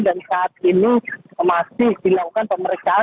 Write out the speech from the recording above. dan saat ini masih dilakukan pemeriksaan